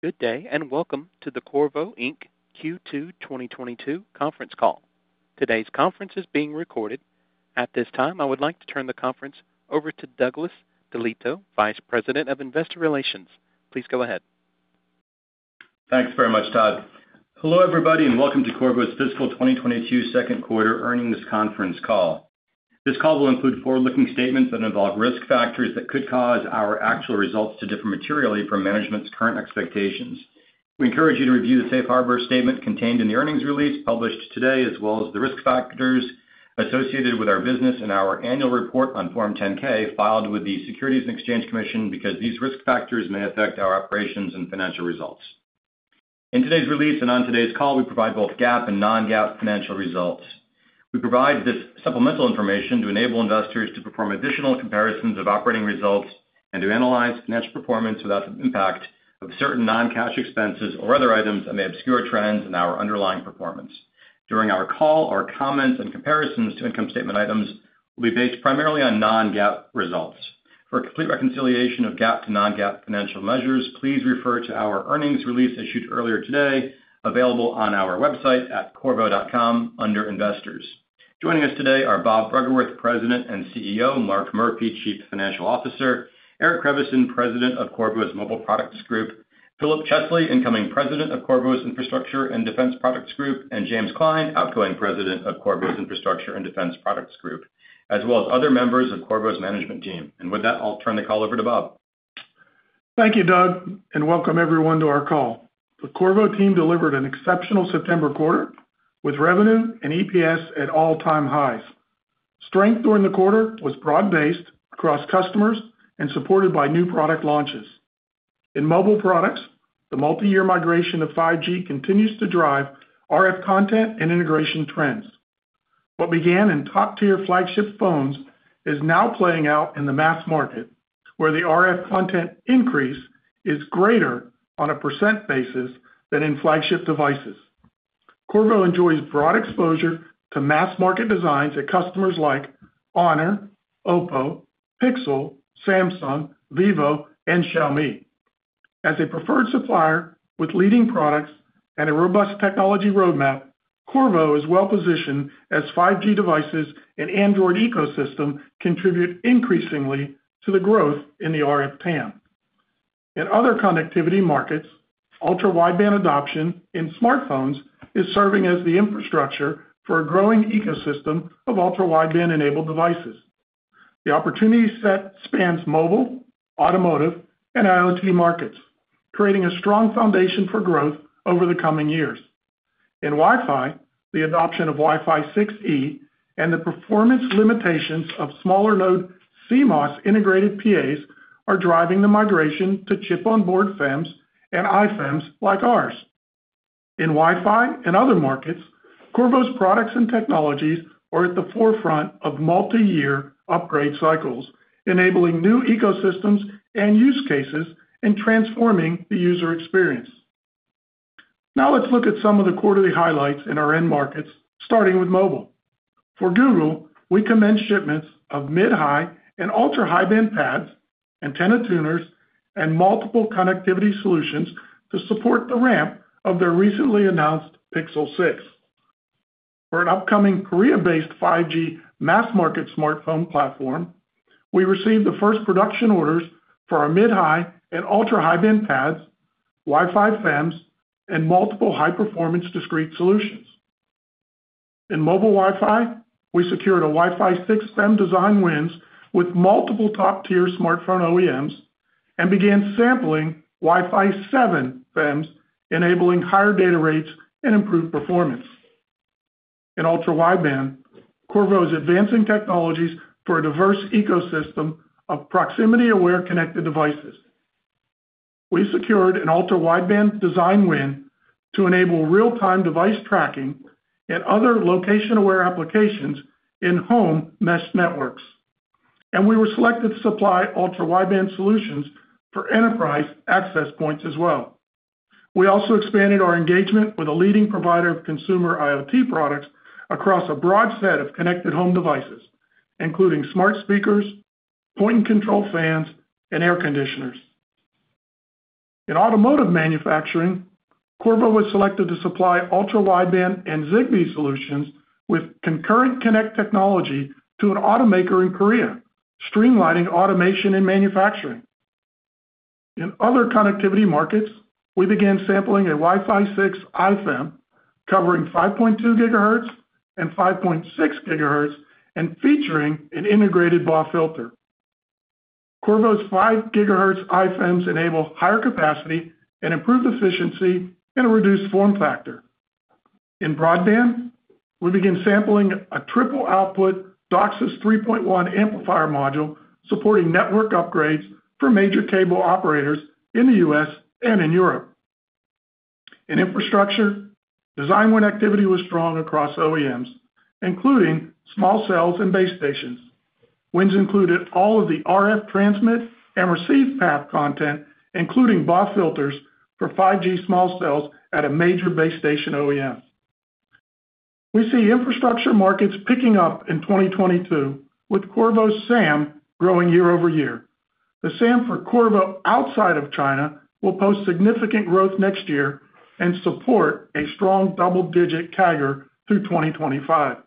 Good day, and welcome to the Qorvo Inc. Q2 2022 conference call. Today's conference is being recorded. At this time, I would like to turn the conference over to Vivek Arya, Vice President of Investor Relations. Please go ahead. Thanks very much, Todd. Hello, everybody, and welcome to Qorvo's fiscal 2022 second quarter earnings conference call. This call will include forward-looking statements that involve risk factors that could cause our actual results to differ materially from management's current expectations. We encourage you to review the safe harbor statement contained in the earnings release published today, as well as the risk factors associated with our business and our annual report on Form 10-K filed with the Securities and Exchange Commission, because these risk factors may affect our operations and financial results. In today's release and on today's call, we provide both GAAP and non-GAAP financial results. We provide this supplemental information to enable investors to perform additional comparisons of operating results and to analyze financial performance without the impact of certain non-cash expenses or other items that may obscure trends in our underlying performance. During our call, our comments and comparisons to income statement items will be based primarily on non-GAAP results. For a complete reconciliation of GAAP to non-GAAP financial measures, please refer to our earnings release issued earlier today, available on our website at qorvo.com under Investors. Joining us today are Bob Bruggeworth, President and CEO, Bob Bruggeworth, Chief Financial Officer, Eric Creviston, President of Qorvo's Mobile Products Group, Philip Chesley, incoming President of Qorvo's Infrastructure and Defense Products Group, and James Klein, outgoing President of Qorvo's Infrastructure and Defense Products Group, as well as other members of Qorvo's management team. With that, I'll turn the call over to Bob. Thank you, Doug, and welcome everyone to our call. The Qorvo team delivered an exceptional September quarter with revenue and EPS at all-time highs. Strength during the quarter was broad-based across customers and supported by new product launches. In mobile products, the multi-year migration of 5G continues to drive RF content and integration trends. What began in top-tier flagship phones is now playing out in the mass market, where the RF content increase is greater on a percent basis than in flagship devices. Qorvo enjoys broad exposure to mass market designs at customers like Honor, OPPO, Pixel, Samsung, vivo, and Xiaomi. As a preferred supplier with leading products and a robust technology roadmap, Qorvo is well positioned as 5G devices and Android ecosystem contribute increasingly to the growth in the RF TAM. In other connectivity markets, ultra-wideband adoption in smartphones is serving as the infrastructure for a growing ecosystem of ultra-wideband-enabled devices. The opportunity set spans mobile, automotive, and IoT markets, creating a strong foundation for growth over the coming years. In Wi-Fi, the adoption of Wi-Fi 6E and the performance limitations of smaller node CMOS integrated PAs are driving the migration to chip-on-board FEMs and iFEMs like ours. In Wi-Fi and other markets, Qorvo's products and technologies are at the forefront of multi-year upgrade cycles, enabling new ecosystems and use cases and transforming the user experience. Now let's look at some of the quarterly highlights in our end markets, starting with mobile. For Google, we commenced shipments of mid-high and ultra-high band PADs, antenna tuners, and multiple connectivity solutions to support the ramp of their recently announced Pixel 6. For an upcoming Korea-based 5G mass market smartphone platform, we received the first production orders for our mid-high and ultra-high band PADs, Wi-Fi FEMs, and multiple high-performance discrete solutions. In mobile Wi-Fi, we secured a Wi-Fi 6 FEM design wins with multiple top-tier smartphone OEMs and began sampling Wi-Fi 7 FEMs, enabling higher data rates and improved performance. In ultra-wideband, Qorvo is advancing technologies for a diverse ecosystem of proximity-aware connected devices. We secured an ultra-wideband design win to enable real-time device tracking and other location-aware applications in home mesh networks. We were selected to supply ultra-wideband solutions for enterprise access points as well. We also expanded our engagement with a leading provider of consumer IoT products across a broad set of connected home devices, including smart speakers, point-and-control fans, and air conditioners. In automotive manufacturing, Qorvo was selected to supply ultra-wideband and Zigbee solutions with ConcurrentConnect technology to an automaker in Korea, streamlining automation and manufacturing. In other connectivity markets, we began sampling a Wi-Fi 6 iFEM covering 5.2 GHz and 5.6 GHz and featuring an integrated BAW filter. Qorvo's 5 GHz iFEMs enable higher capacity and improved efficiency in a reduced form factor. In broadband, we begin sampling a triple output DOCSIS 3.1 amplifier module supporting network upgrades for major cable operators in the U.S. and in Europe. In infrastructure, design win activity was strong across OEMs, including small cells and base stations. Wins included all of the RF transmit and receive path content, including BAW filters for 5G small cells at a major base station OEM. We see infrastructure markets picking up in 2022, with Qorvo SAM growing year-over-year. The SAM for Qorvo outside of China will post significant growth next year and support a strong double-digit CAGR through 2025.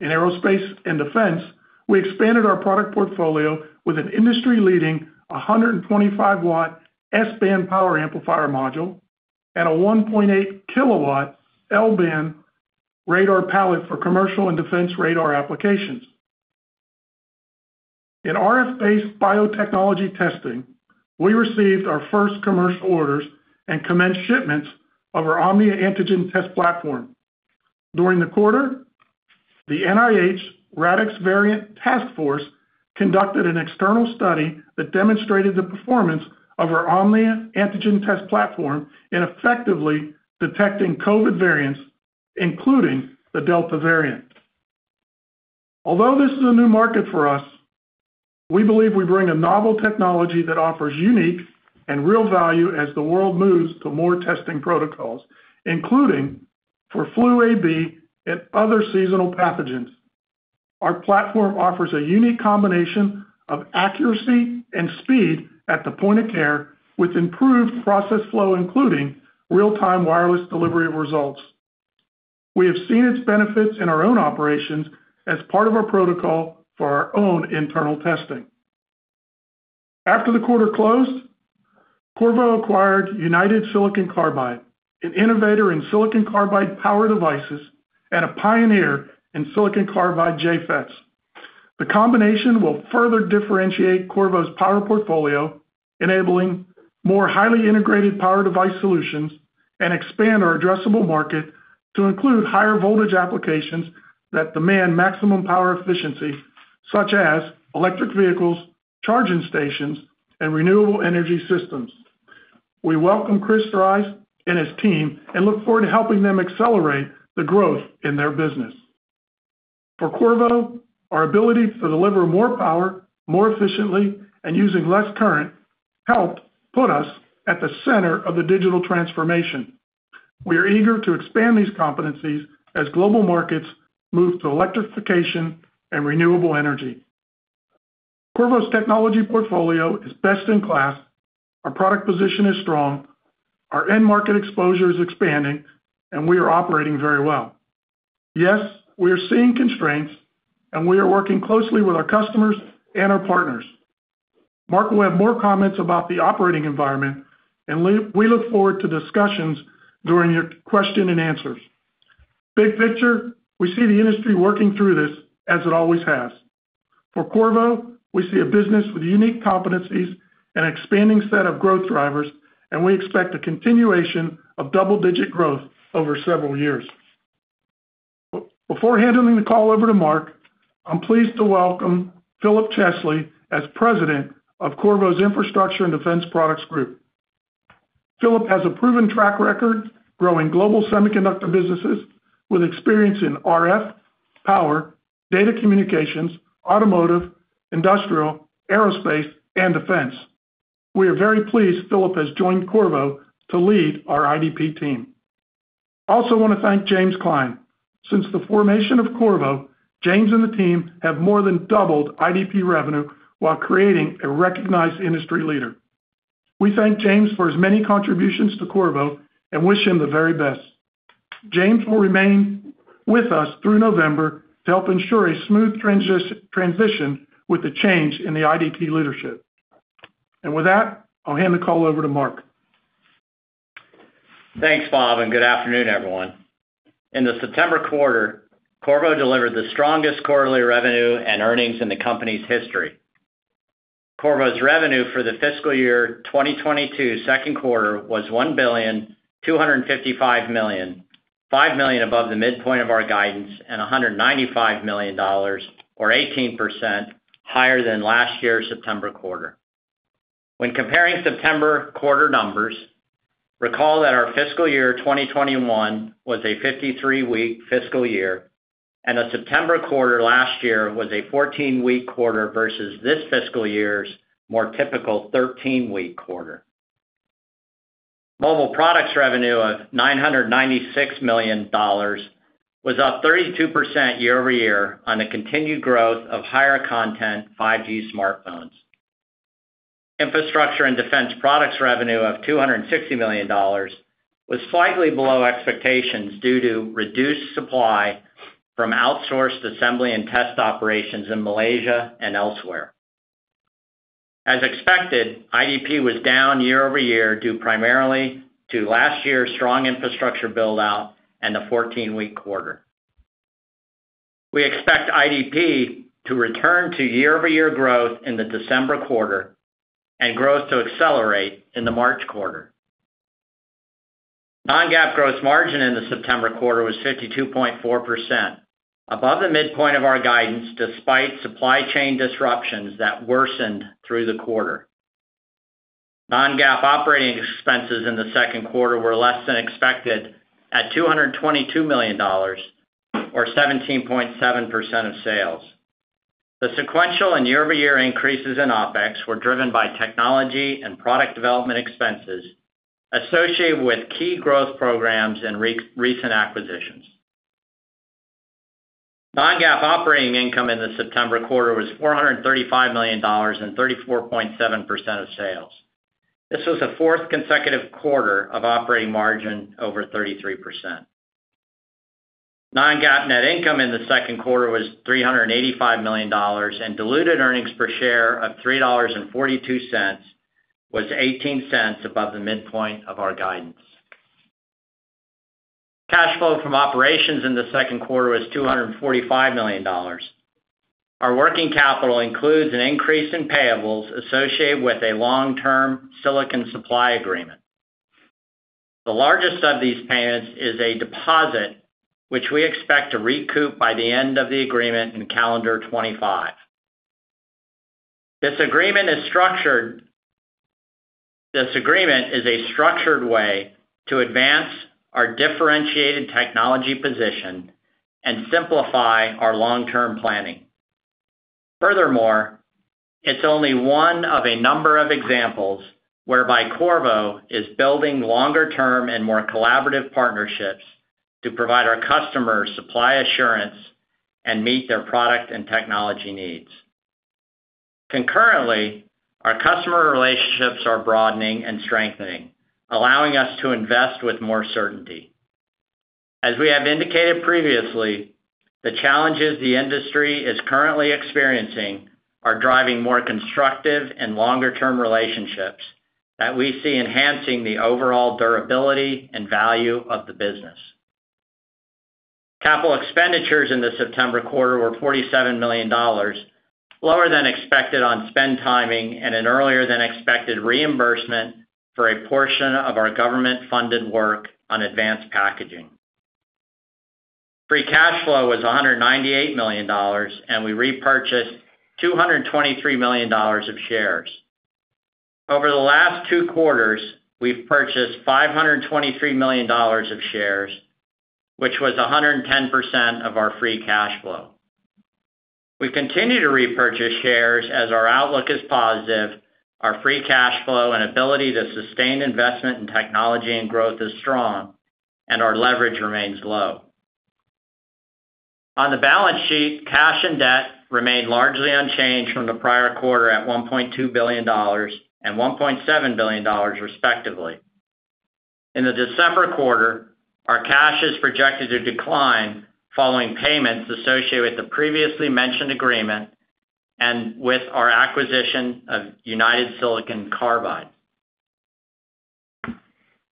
In aerospace and defense, we expanded our product portfolio with an industry-leading 125-watt S-band power amplifier module and a 1.8-kilowatt L-band radar pallet for commercial and defense radar applications. In RF-based biotechnology testing, we received our first commercial orders and commenced shipments of our Omnia antigen test platform. During the quarter, the NIH RADx Variant Task Force conducted an external study that demonstrated the performance of our Omnia antigen test platform in effectively detecting COVID variants, including the Delta variant. Although this is a new market for us, we believe we bring a novel technology that offers unique and real value as the world moves to more testing protocols, including for Flu A/B and other seasonal pathogens. Our platform offers a unique combination of accuracy and speed at the point of care with improved process flow, including real-time wireless delivery of results. We have seen its benefits in our own operations as part of our protocol for our own internal testing. After the quarter closed, Qorvo acquired United Silicon Carbide, an innovator in silicon carbide power devices and a pioneer in silicon carbide JFETs. The combination will further differentiate Qorvo's power portfolio, enabling more highly integrated power device solutions and expand our addressable market to include higher voltage applications that demand maximum power efficiency, such as electric vehicles, charging stations, and renewable energy systems. We welcome Chris Dries and his team and look forward to helping them accelerate the growth in their business. For Qorvo, our ability to deliver more power, more efficiently, and using less current help put us at the center of the digital transformation. We are eager to expand these competencies as global markets move to electrification and renewable energy. Qorvo's technology portfolio is best in class, our product position is strong, our end market exposure is expanding, and we are operating very well. Yes, we are seeing constraints, and we are working closely with our customers and our partners. Mark will have more comments about the operating environment, and we look forward to discussions during the question and answers. Big picture, we see the industry working through this as it always has. For Qorvo, we see a business with unique competencies and expanding set of growth drivers, and we expect a continuation of double-digit growth over several years. Before handing the call over to Mark, I'm pleased to welcome Philip Chesley as President of Qorvo's Infrastructure and Defense Products group. Philip has a proven track record growing global semiconductor businesses with experience in RF, power, data communications, automotive, industrial, aerospace, and defense. We are very pleased Philip has joined Qorvo to lead our IDP team. I also wanna thank James Klein. Since the formation of Qorvo, James and the team have more than doubled IDP revenue while creating a recognized industry leader. We thank James for his many contributions to Qorvo and wish him the very best. James will remain with us through November to help ensure a smooth transition with the change in the IDP leadership. With that, I'll hand the call over to Mark. Thanks, Bob, and good afternoon, everyone. In the September quarter, Qorvo delivered the strongest quarterly revenue and earnings in the company's history. Qorvo's revenue for the fiscal year 2022 second quarter was $1,255 million, $5 million above the midpoint of our guidance and $195 million or 18% higher than last year's September quarter. When comparing September quarter numbers, recall that our fiscal year 2021 was a 53-week fiscal year and a September quarter last year was a 14-week quarter versus this fiscal year's more typical 13-week quarter. Mobile Products revenue of $996 million was up 32% year-over-year on the continued growth of higher content 5G smartphones. Infrastructure and Defense Products revenue of $260 million was slightly below expectations due to reduced supply from outsourced assembly and test operations in Malaysia and elsewhere. As expected, IDP was down year-over-year due primarily to last year's strong infrastructure build-out and the 14-week quarter. We expect IDP to return to year-over-year growth in the December quarter and growth to accelerate in the March quarter. Non-GAAP gross margin in the September quarter was 52.4%, above the midpoint of our guidance despite supply chain disruptions that worsened through the quarter. Non-GAAP operating expenses in the second quarter were less than expected at $222 million or 17.7% of sales. The sequential and year-over-year increases in OpEx were driven by technology and product development expenses associated with key growth programs and recent acquisitions. Non-GAAP operating income in the September quarter was $435 million and 34.7% of sales. This was the fourth consecutive quarter of operating margin over 33%. Non-GAAP net income in the second quarter was $385 million, and diluted earnings per share of $3.42 was $0.18 above the midpoint of our guidance. Cash flow from operations in the second quarter was $245 million. Our working capital includes an increase in payables associated with a long-term silicon supply agreement. The largest of these payments is a deposit which we expect to recoup by the end of the agreement in calendar 2025. This agreement is a structured way to advance our differentiated technology position and simplify our long-term planning. Furthermore, it's only one of a number of examples whereby Qorvo is building longer-term and more collaborative partnerships to provide our customers supply assurance and meet their product and technology needs. Concurrently, our customer relationships are broadening and strengthening, allowing us to invest with more certainty. As we have indicated previously, the challenges the industry is currently experiencing are driving more constructive and longer-term relationships that we see enhancing the overall durability and value of the business. Capital expenditures in the September quarter were $47 million, lower than expected on spend timing and an earlier than expected reimbursement for a portion of our government-funded work on advanced packaging. Free cash flow was $198 million, and we repurchased $223 million of shares. Over the last two quarters, we've purchased $523 million of shares, which was 110% of our free cash flow. We continue to repurchase shares as our outlook is positive, our free cash flow and ability to sustain investment in technology and growth is strong, and our leverage remains low. On the balance sheet, cash and debt remained largely unchanged from the prior quarter at $1.2 billion and $1.7 billion, respectively. In the December quarter, our cash is projected to decline following payments associated with the previously mentioned agreement and with our acquisition of United Silicon Carbide.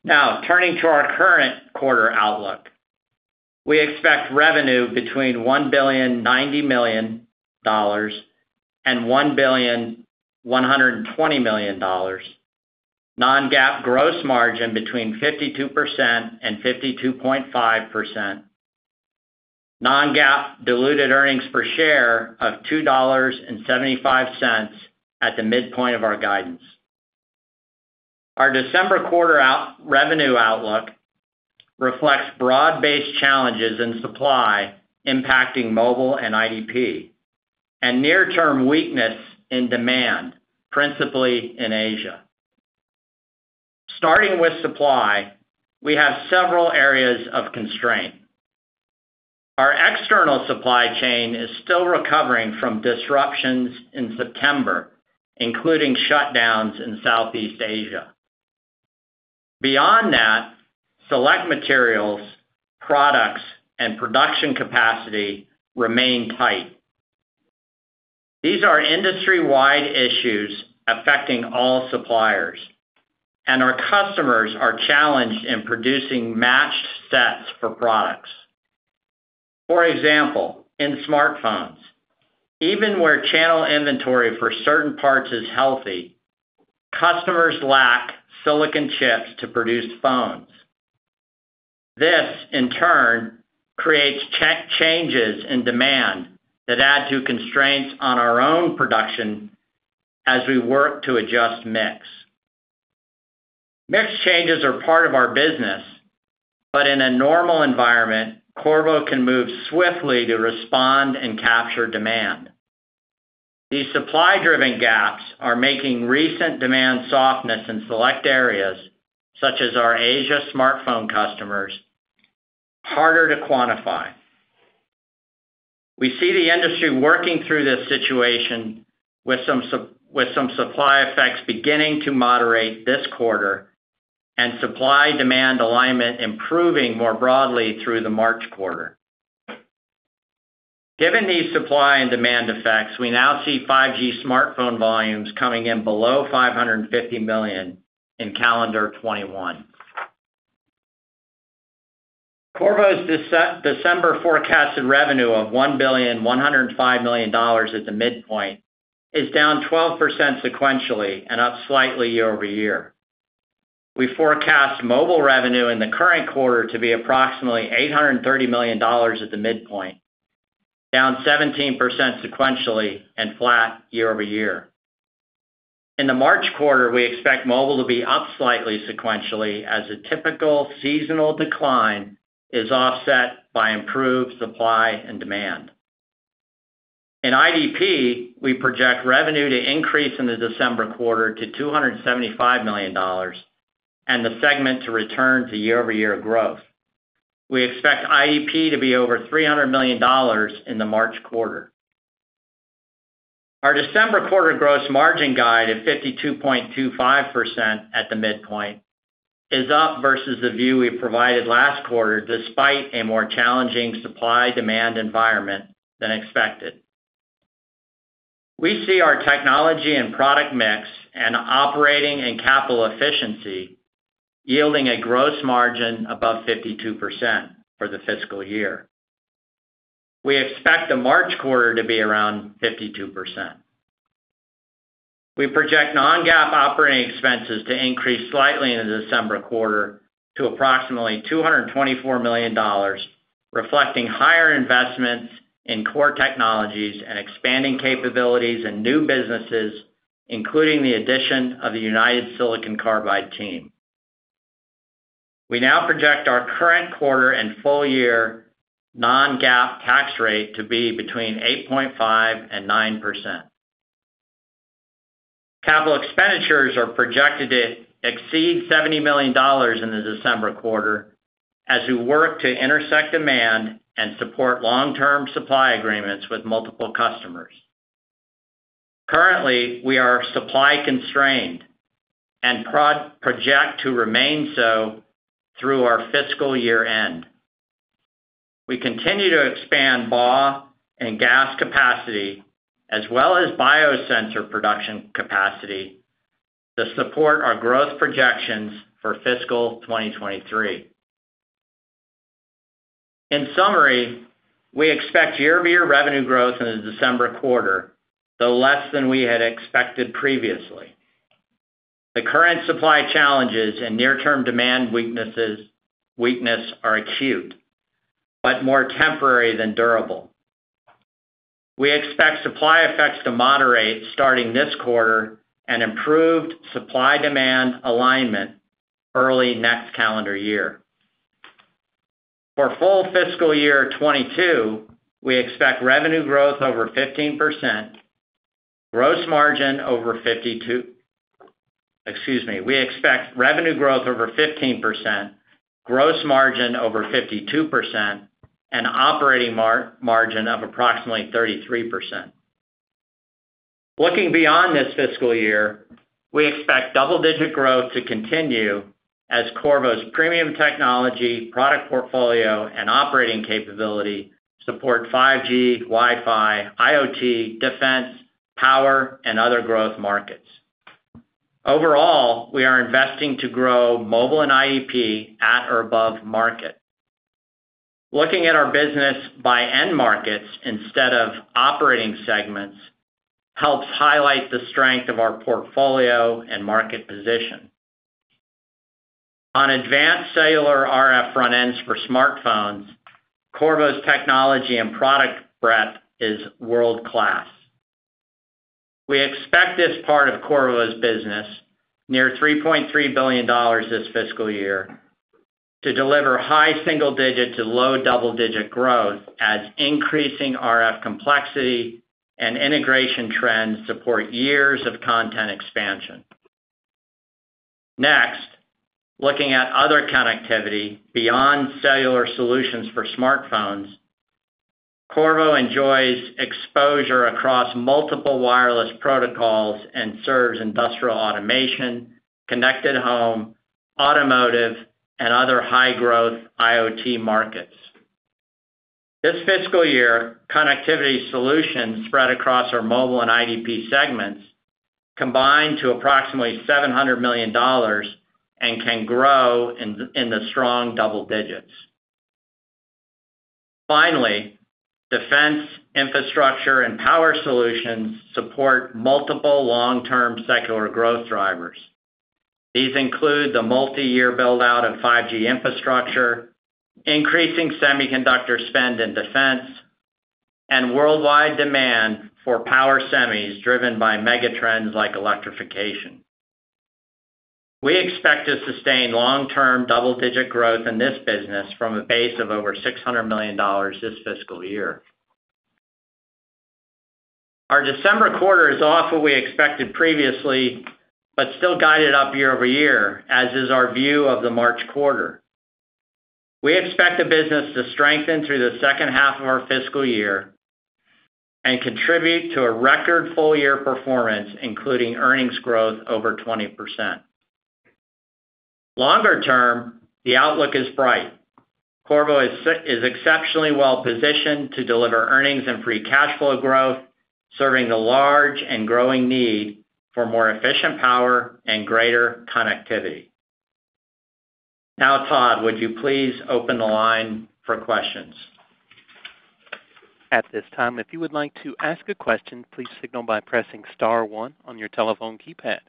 Now turning to our current quarter outlook. We expect revenue between $1.09 billion and $1.12 billion. Non-GAAP gross margin between 52% and 52.5%. non-GAAP diluted earnings per share of $2.75 at the midpoint of our guidance. Our December quarter revenue outlook reflects broad-based challenges in supply impacting mobile and IDP and near-term weakness in demand, principally in Asia. Starting with supply, we have several areas of constraint. Our external supply chain is still recovering from disruptions in September, including shutdowns in Southeast Asia. Beyond that, select materials, products, and production capacity remain tight. These are industry-wide issues affecting all suppliers, and our customers are challenged in producing matched sets for products. For example, in smartphones, even where channel inventory for certain parts is healthy, customers lack silicon chips to produce phones. This, in turn, creates changes in demand that add to constraints on our own production as we work to adjust mix. Mix changes are part of our business, but in a normal environment, Qorvo can move swiftly to respond and capture demand. These supply-driven gaps are making recent demand softness in select areas, such as our Asia smartphone customers, harder to quantify. We see the industry working through this situation with some supply effects beginning to moderate this quarter and supply-demand alignment improving more broadly through the March quarter. Given these supply and demand effects, we now see 5G smartphone volumes coming in below 550 million in calendar 2021. Qorvo's December forecasted revenue of $1.105 billion at the midpoint is down 12% sequentially and up slightly year-over-year. We forecast mobile revenue in the current quarter to be approximately $830 million at the midpoint, down 17% sequentially and flat year over year. In the March quarter, we expect mobile to be up slightly sequentially as a typical seasonal decline is offset by improved supply and demand. In IDP, we project revenue to increase in the December quarter to $275 million and the segment to return to year-over-year growth. We expect IDP to be over $300 million in the March quarter. Our December quarter gross margin guide of 52.25% at the midpoint is up versus the view we provided last quarter, despite a more challenging supply demand environment than expected. We see our technology and product mix and operating and capital efficiency yielding a gross margin above 52% for the fiscal year. We expect the March quarter to be around 52%. We project non-GAAP operating expenses to increase slightly in the December quarter to approximately $224 million, reflecting higher investments in core technologies and expanding capabilities and new businesses, including the addition of the United Silicon Carbide team. We now project our current quarter and full year non-GAAP tax rate to be between 8.5% and 9%. Capital expenditures are projected to exceed $70 million in the December quarter as we work to meet demand and support long-term supply agreements with multiple customers. Currently, we are supply constrained and project to remain so through our fiscal year-end. We continue to expand GaN and GaAs capacity as well as biosensor production capacity to support our growth projections for fiscal 2023. In summary, we expect year-over-year revenue growth in the December quarter, though less than we had expected previously. The current supply challenges and near-term demand weakness are acute, but more temporary than durable. We expect supply effects to moderate starting this quarter and improved supply demand alignment early next calendar year. For full fiscal year 2022, we expect revenue growth over 15%, gross margin over 52%, and operating margin of approximately 33%. Looking beyond this fiscal year, we expect double-digit growth to continue as Qorvo's premium technology, product portfolio, and operating capability support 5G, Wi-Fi, IoT, defense, power, and other growth markets. Overall, we are investing to grow mobile and IDP at or above market. Looking at our business by end markets instead of operating segments helps highlight the strength of our portfolio and market position. On advanced cellular RF front ends for smartphones, Qorvo's technology and product breadth is world-class. We expect this part of Qorvo's business, near $3.3 billion this fiscal year, to deliver high single-digit to low double-digit growth as increasing RF complexity and integration trends support years of content expansion. Next, looking at other connectivity beyond cellular solutions for smartphones, Qorvo enjoys exposure across multiple wireless protocols and serves industrial automation, connected home, automotive, and other high-growth IoT markets. This fiscal year, connectivity solutions spread across our mobile and IDP segments combined to approximately $700 million and can grow in the strong double digits. Finally, defense, infrastructure, and power solutions support multiple long-term secular growth drivers. These include the multiyear build-out of 5G infrastructure, increasing semiconductor spend in defense, and worldwide demand for power semis driven by megatrends like electrification. We expect to sustain long-term double-digit growth in this business from a base of over $600 million this fiscal year. Our December quarter is off what we expected previously, but still guided up year over year, as is our view of the March quarter. We expect the business to strengthen through the second half of our fiscal year and contribute to a record full-year performance, including earnings growth over 20%. Longer term, the outlook is bright. Qorvo is exceptionally well positioned to deliver earnings and free cash flow growth, serving the large and growing need for more efficient power and greater connectivity. Now, Todd, would you please open the line for questions? At this time, if you would like to ask a question, please signal by pressing star one on your telephone keypad.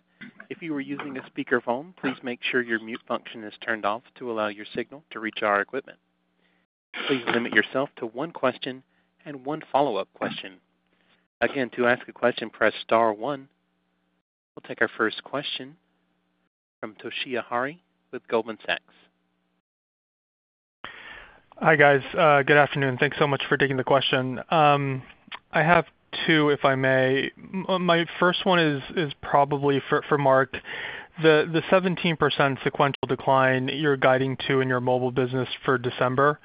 If you are using a speakerphone, please make sure your mute function is turned off to allow your signal to reach our equipment. Please limit yourself to one question and one follow-up question. Again, to ask a question, press star one. We'll take our first question from Toshiya Hari with Goldman Sachs. Hi, guys. Good afternoon. Thanks so much for taking the question. I have two, if I may. My first one is probably for Mark. The 17% sequential decline you're guiding to in your mobile business for December,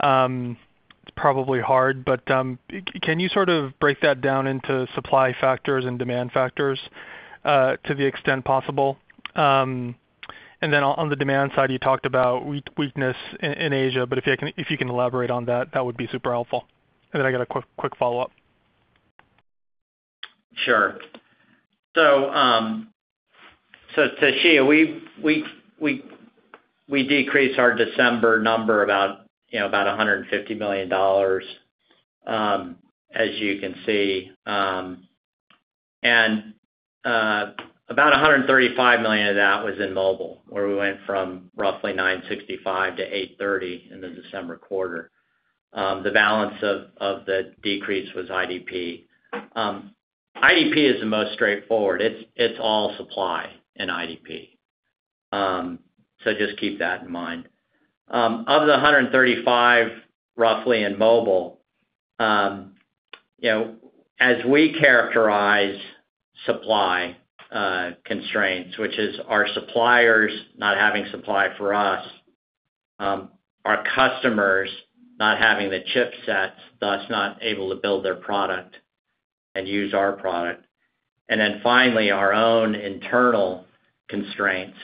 it's probably hard, but can you sort of break that down into supply factors and demand factors, to the extent possible? And then on the demand side, you talked about weakness in Asia, but if you can elaborate on that would be super helpful. I got a quick follow-up. Sure. Toshiya, we decrease our December number about, you know, about $150 million, as you can see. About $135 million of that was in mobile, where we went from roughly 965 to 830 in the December quarter. The balance of the decrease was IDP. IDP is the most straightforward. It's all supply in IDP. Just keep that in mind. Of the roughly 135 in mobile, you know, as we characterize supply constraints, which is our suppliers not having supply for us, our customers not having the chipsets, thus not able to build their product and use our product, and then finally our own internal constraints.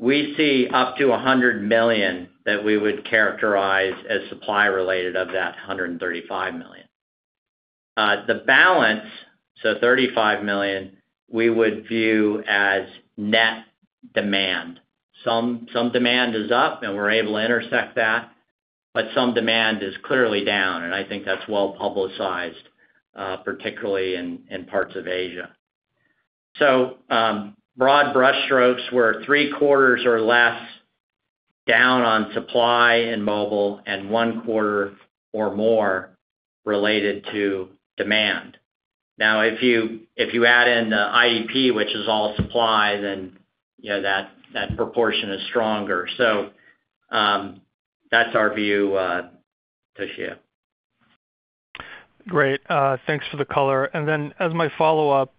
We see up to $100 million that we would characterize as supply related of that $135 million. The balance, so $35 million, we would view as net demand. Some demand is up, and we're able to intersect that, but some demand is clearly down, and I think that's well-publicized, particularly in parts of Asia. Broad brushstrokes, we're three quarters or less down on supply in mobile and one quarter or more related to demand. Now, if you add in the IDP, which is all supply, then, you know, that proportion is stronger. That's our view, Toshiya. Great. Thanks for the color. As my follow-up,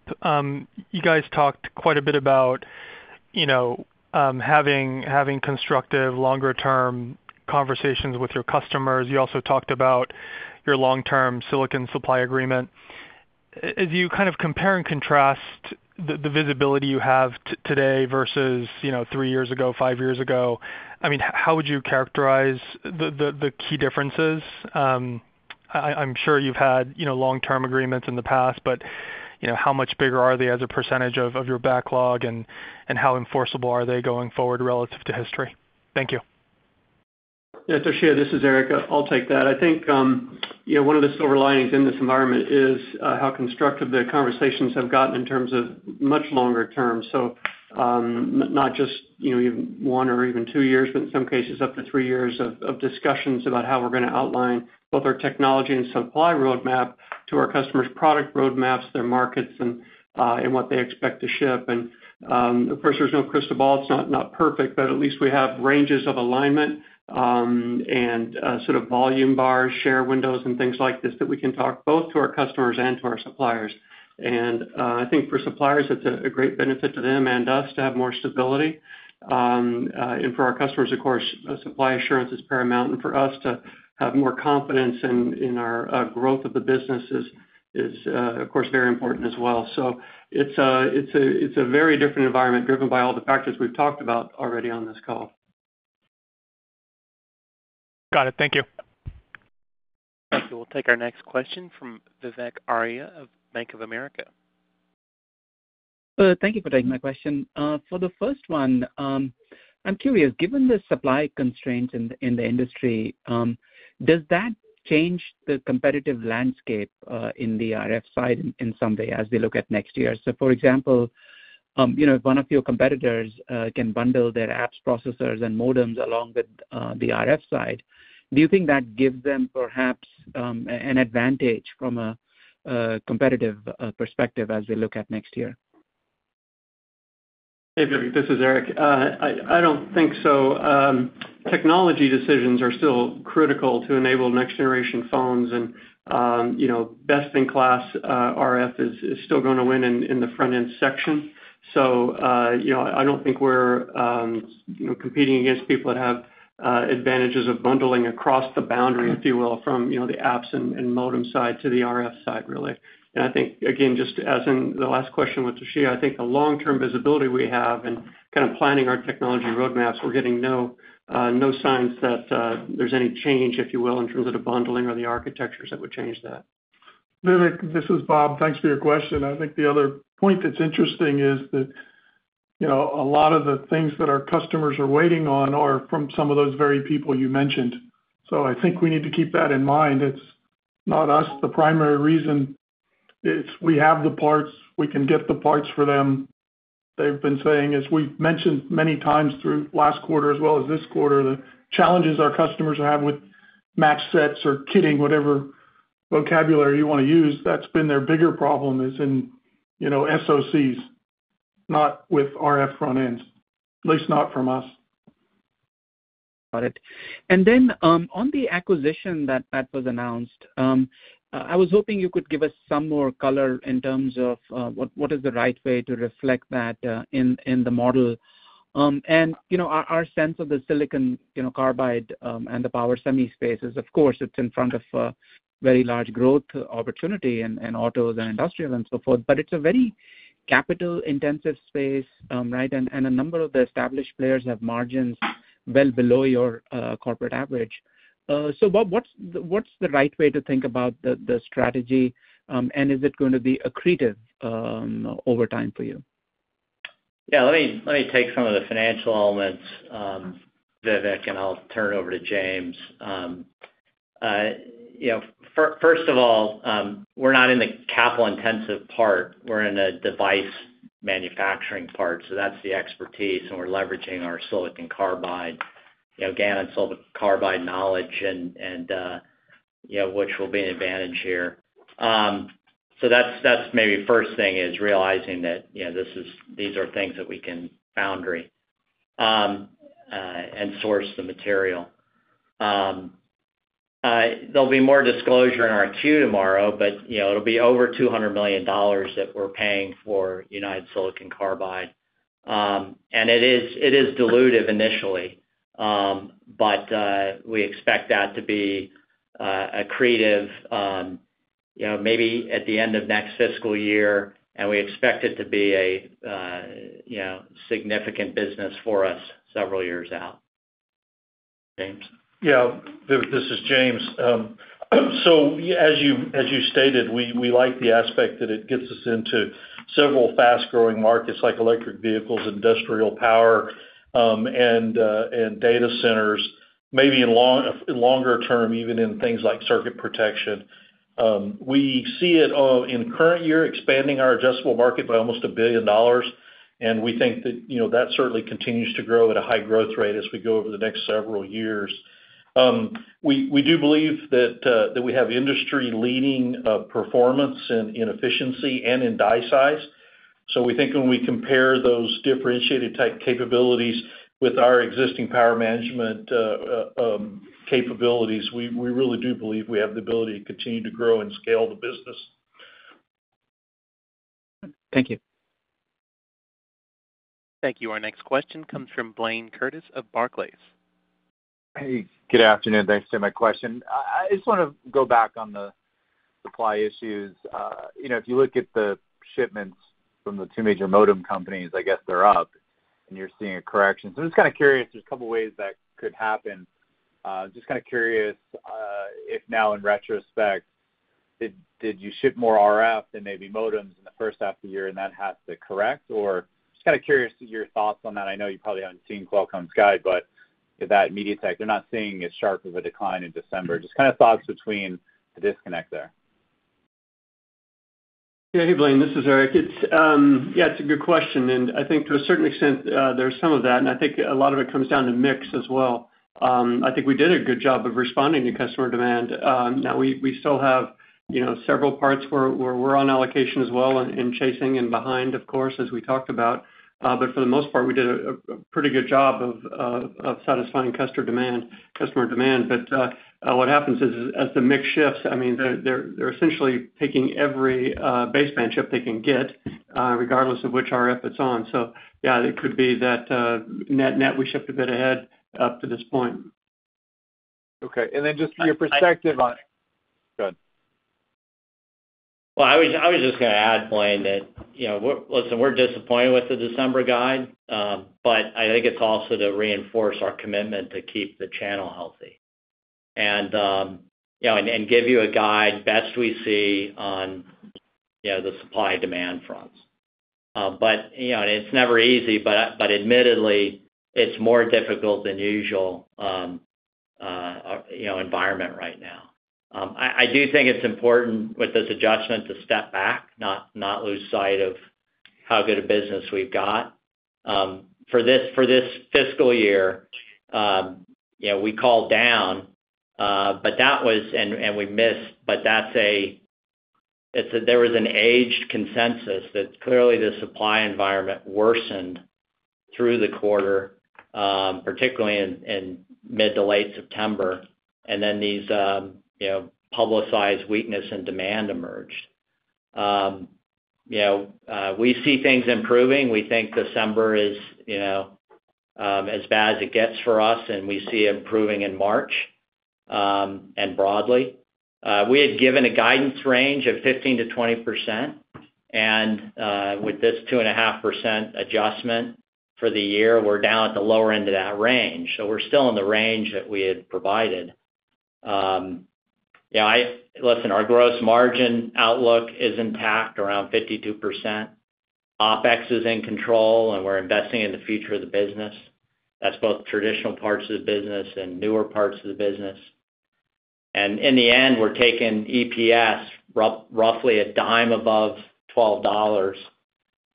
you guys talked quite a bit about, you know, having constructive longer term conversations with your customers. You also talked about your long-term silicon supply agreement. As you kind of compare and contrast the visibility you have today versus three years ago, five years ago, how would you characterize the key differences? I'm sure you've had long-term agreements in the past, but how much bigger are they as a percentage of your backlog, and how enforceable are they going forward relative to history? Thank you. Yeah, Toshiya, this is Eric. I'll take that. I think, you know, one of the silver linings in this environment is how constructive the conversations have gotten in terms of much longer term. Not just, you know, one or even two years, but in some cases up to three years of discussions about how we're gonna outline both our technology and supply roadmap to our customers' product roadmaps, their markets, and what they expect to ship. Of course, there's no crystal ball. It's not perfect, but at least we have ranges of alignment, and sort of volume bars, share windows, and things like this that we can talk both to our customers and to our suppliers. I think for suppliers, it's a great benefit to them and us to have more stability. For our customers, of course, supply assurance is paramount. For us to have more confidence in our growth of the business is, of course, very important as well. It's a very different environment driven by all the factors we've talked about already on this call. Got it. Thank you. Thank you. We'll take our next question from Vivek Arya of Bank of America. Thank you for taking my question. For the first one, I'm curious, given the supply constraints in the industry, does that change the competitive landscape in the RF side in some way as we look at next year? For example, you know, if one of your competitors can bundle their apps, processors, and modems along with the RF side, do you think that gives them perhaps an advantage from a competitive perspective as we look at next year? Hey, Vivek. This is Eric. I don't think so. Technology decisions are still critical to enable next generation phones and, you know, best in class RF is still gonna win in the front end section. You know, I don't think we're competing against people that have advantages of bundling across the boundary, if you will, from the apps and modem side to the RF side, really. I think, again, just as in the last question with Toshiya, I think the long-term visibility we have and kind of planning our technology roadmaps, we're getting no signs that there's any change, if you will, in terms of the bundling or the architectures that would change that. Vivek, this is Bob. Thanks for your question. I think the other point that's interesting is that, you know, a lot of the things that our customers are waiting on are from some of those very people you mentioned. I think we need to keep that in mind. It's not us, the primary reason. It's we have the parts, we can get the parts for them. They've been saying, as we've mentioned many times through last quarter as well as this quarter, the challenges our customers have with match sets or kitting, whatever vocabulary you wanna use, that's been their bigger problem is in, you know, SoCs, not with RF front-ends, at least not from us. Got it. On the acquisition that was announced, I was hoping you could give us some more color in terms of what is the right way to reflect that in the model. You know, our sense of the silicon carbide and the power semi space is, of course, it's in front of a very large growth opportunity in autos and industrials and so forth. It's a very capital-intensive space, right? A number of the established players have margins well below your corporate average. Bob, what's the right way to think about the strategy, and is it gonna be accretive over time for you? Yeah. Let me take some of the financial elements, Vivek, and I'll turn it over to James. You know, first of all, we're not in the capital-intensive part, we're in a device manufacturing part, so that's the expertise, and we're leveraging our silicon carbide, you know, GaN and silicon carbide knowledge and, you know, which will be an advantage here. So that's maybe first thing is realizing that, you know, these are things that we can foundry and source the material. There'll be more disclosure in our Q tomorrow, but, you know, it'll be over $200 million that we're paying for United Silicon Carbide. It is dilutive initially. We expect that to be accretive, you know, maybe at the end of next fiscal year, and we expect it to be a, you know, significant business for us several years out. James. Yeah. Vivek, this is James. So as you stated, we like the aspect that it gets us into several fast-growing markets like electric vehicles, industrial power, and data centers, maybe in longer term, even in things like circuit protection. We see it in current year expanding our addressable market by almost $1 billion, and we think that, you know, that certainly continues to grow at a high growth rate as we go over the next several years. We do believe that we have industry-leading performance in efficiency and in die size. We think when we compare those differentiated type capabilities with our existing power management capabilities, we really do believe we have the ability to continue to grow and scale the business. Thank you. Thank you. Our next question comes from Blayne Curtis of Barclays. Hey, good afternoon. Thanks for my question. I just wanna go back on the supply issues. You know, if you look at the shipments from the two major modem companies, I guess they're up and you're seeing a correction. I'm just kind of curious, there's a couple ways that could happen. Just kind of curious, if now in retrospect, did you ship more RF than maybe modems in the first half of the year and that has to correct? Or just kind of curious to your thoughts on that. I know you probably haven't seen Qualcomm's guide, but with that MediaTek, they're not seeing as sharp of a decline in December. Just kind of thoughts between the disconnect there. Hey, Blayne. This is Eric. It's yeah, it's a good question, and I think to a certain extent, there's some of that, and I think a lot of it comes down to mix as well. I think we did a good job of responding to customer demand. Now we still have, you know, several parts where we're on allocation as well and chasing and behind, of course, as we talked about. For the most part, we did a pretty good job of satisfying customer demand. What happens is as the mix shifts, I mean, they're essentially taking every baseband chip they can get, regardless of which RF it's on. Yeah, it could be that, net we shipped a bit ahead up to this point. Okay. Just for your perspective on it. Go ahead. I was just gonna add, Blayne, that, you know, we're disappointed with the December guide, but I think it's also to reinforce our commitment to keep the channel healthy and give you a guide best we see on, you know, the supply-demand fronts. It's never easy, but admittedly, it's more difficult than usual environment right now. I do think it's important with this adjustment to step back, not lose sight of how good a business we've got. For this fiscal year, you know, we called down, but we missed, but that's against consensus that clearly the supply environment worsened through the quarter, particularly in mid to late September. These, you know, publicized weakness in demand emerged. You know, we see things improving. We think December is, you know, as bad as it gets for us, and we see improving in March, and broadly. We had given a guidance range of 15%-20%, and, with this 2.5% adjustment for the year, we're down at the lower end of that range. We're still in the range that we had provided. Listen, our gross margin outlook is intact around 52%. OpEx is in control, and we're investing in the future of the business. That's both traditional parts of the business and newer parts of the business. In the end, we're taking EPS roughly a dime above $12,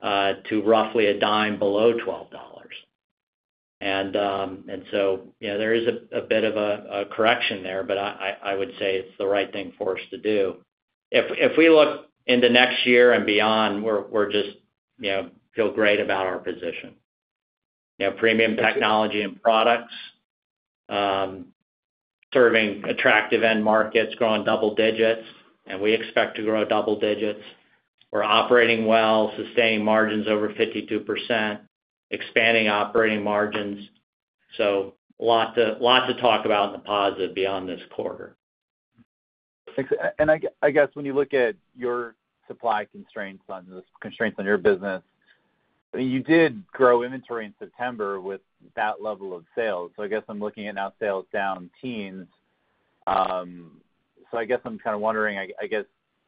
to roughly a dime below $12. You know, there is a bit of a correction there, but I would say it's the right thing for us to do. If we look into next year and beyond, we're just, you know, feel great about our position. You know, premium technology and products, serving attractive end markets, growing double digits, and we expect to grow double digits. We're operating well, sustaining margins over 52%, expanding operating margins. Lots to talk about in the positive beyond this quarter. Thanks. I guess when you look at your supply constraints on this, constraints on your business, you did grow inventory in September with that level of sales. I guess I'm looking at now sales down teens. I guess I'm kind of wondering, did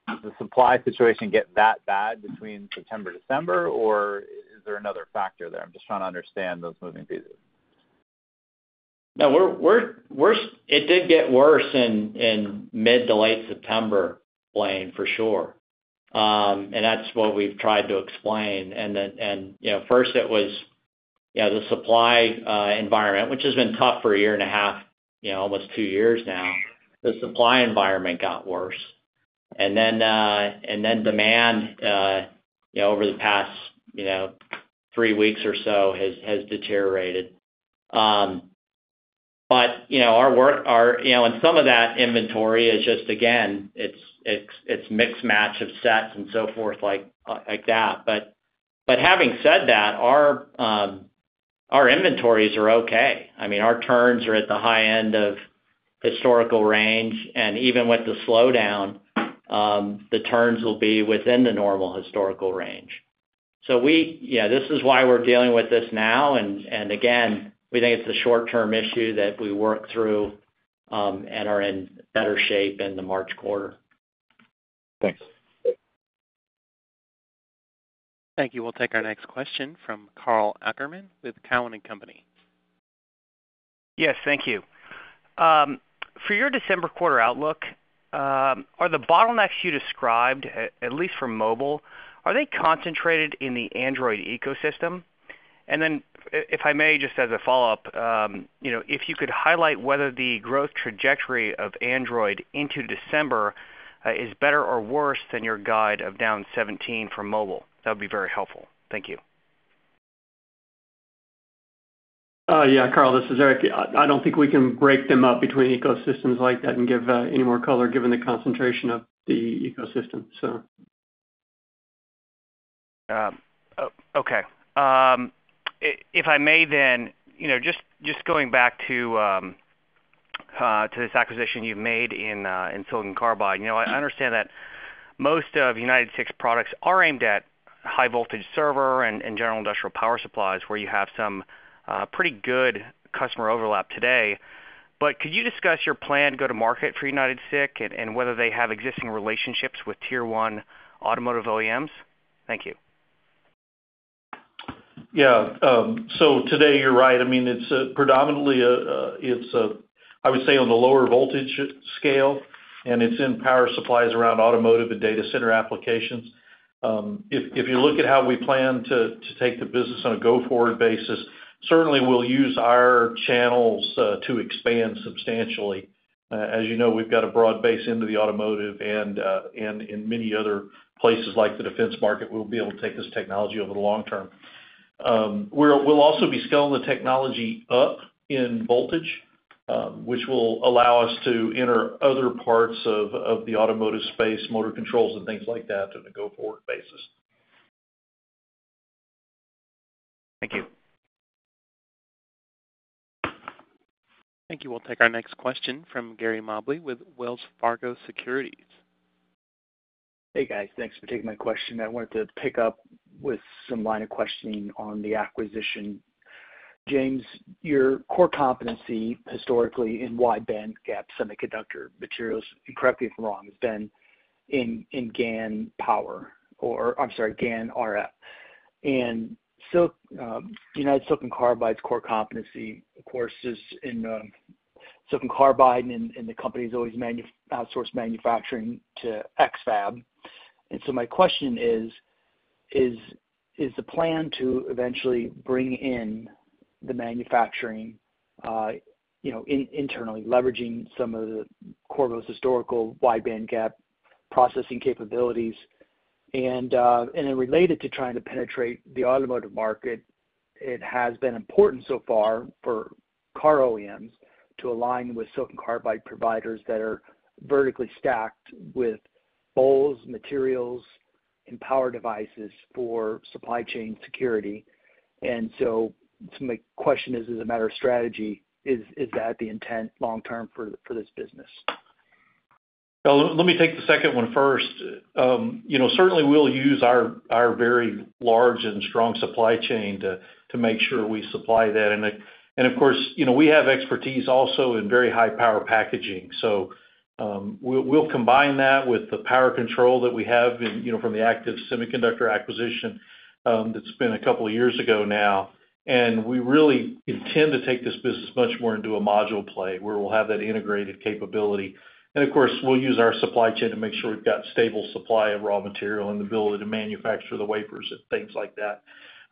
the supply situation get that bad between September, December, or is there another factor there? I'm just trying to understand those moving pieces. No, we're worse. It did get worse in mid to late September, Blayne, for sure. That's what we've tried to explain. The supply environment, which has been tough for a year and a half, you know, almost two years now, got worse. Then demand, you know, over the past three weeks or so has deteriorated. But, you know, our work, our. You know, some of that inventory is just again, it's a mismatch of sets and so forth like that. But having said that, our inventories are okay. I mean, our turns are at the high end of historical range, and even with the slowdown, the turns will be within the normal historical range. This is why we're dealing with this now, and again, we think it's a short-term issue that we work through, and are in better shape in the March quarter. Thanks. Thank you. We'll take our next question from Karl Ackerman with Cowen and Company. Yes, thank you. For your December quarter outlook, are the bottlenecks you described at least for mobile concentrated in the Android ecosystem? If I may just as a follow-up, you know, if you could highlight whether the growth trajectory of Android into December is better or worse than your guide of down 17% for mobile. That would be very helpful. Thank you. Yeah, Karl, this is Eric. I don't think we can break them up between ecosystems like that and give any more color given the concentration of the ecosystem, so. Okay. If I may then, you know, just going back to this acquisition you've made in silicon carbide. You know, I understand that most of United Silicon Carbide's products are aimed at high voltage server and general industrial power supplies, where you have some pretty good customer overlap today. Could you discuss your go-to-market plan for United Silicon Carbide and whether they have existing relationships with tier one automotive OEMs? Thank you. Yeah. Today, you're right. I mean, it's predominantly, I would say on the lower voltage scale, and it's in power supplies around automotive and data center applications. If you look at how we plan to take the business on a go-forward basis, certainly we'll use our channels to expand substantially. As you know, we've got a broad base into the automotive and in many other places like the defense market, we'll be able to take this technology over the long term. We'll also be scaling the technology up in voltage, which will allow us to enter other parts of the automotive space, motor controls and things like that on a go-forward basis. Thank you. Thank you. We'll take our next question from Gary Mobley with Wells Fargo Securities. Hey, guys. Thanks for taking my question. I wanted to pick up with some line of questioning on the acquisition. James, your core competency historically in wide bandgap semiconductor materials, and correct me if I'm wrong, has been in GaN power, or I'm sorry, GaN RF. United Silicon Carbide's core competency, of course, is in silicon carbide, and the company's always outsourced manufacturing to X-FAB. My question is the plan to eventually bring in the manufacturing, you know, internally leveraging some of the Qorvo's historical wide bandgap processing capabilities? Related to trying to penetrate the automotive market, it has been important so far for car OEMs to align with silicon carbide providers that are vertically stacked with wafers, materials, and power devices for supply chain security. My question is, as a matter of strategy, is that the intent long term for this business? Well, let me take the second one first. You know, certainly we'll use our very large and strong supply chain to make sure we supply that. Of course, you know, we have expertise also in very high power packaging. We'll combine that with the power control that we have, you know, from the active semiconductor acquisition, that's been a couple of years ago now. We really intend to take this business much more into a module play where we'll have that integrated capability. Of course, we'll use our supply chain to make sure we've got stable supply of raw material and the ability to manufacture the wafers and things like that.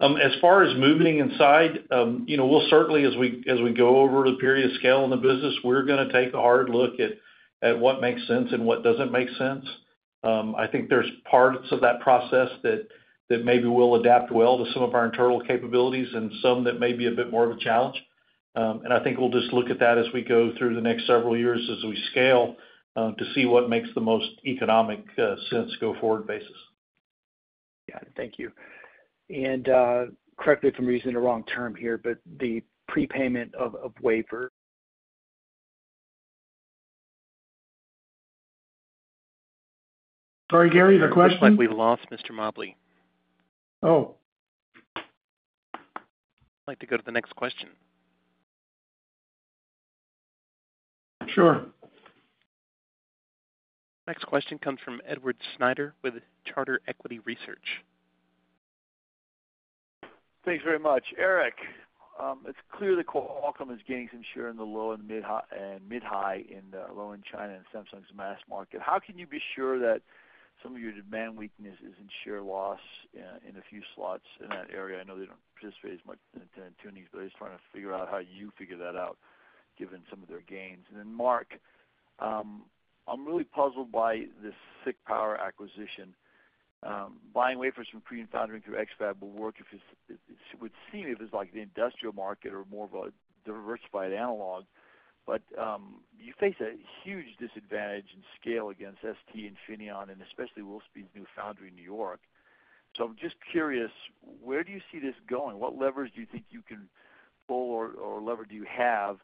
As far as moving inside, you know, we'll certainly, as we go over the period of scale in the business, we're gonna take a hard look at what makes sense and what doesn't make sense. I think there's parts of that process that maybe will adapt well to some of our internal capabilities and some that may be a bit more of a challenge. I think we'll just look at that as we go through the next several years as we scale, to see what makes the most economic sense go forward basis. Yeah. Thank you. Correct me if I'm using the wrong term here, but the prepayment of wafer- Sorry, Gary, the question? Looks like we've lost Mr. Mobley. Oh. I'd like to go to the next question. Sure. Next question comes from Edward Snyder with Charter Equity Research. Thanks very much. Eric, it's clearly Qualcomm is gaining some share in the low- and mid- to high-end in the low-end China and Samsung's mass market. How can you be sure that some of your demand weakness is in share loss in a few slots in that area? I know they don't participate as much in uncertain, but I'm just trying to figure out how you figure that out given some of their gains. Mark, I'm really puzzled by this SiC power acquisition. Buying wafers from Cree and foundry through X-FAB will work if it's—it would seem if it's like the industrial market or more of a diversified analog. But you face a huge disadvantage in scale against STMicroelectronics and Infineon, and especially Wolfspeed's new foundry in New York. I'm just curious, where do you see this going? What levers do you think you can pull or lever do you have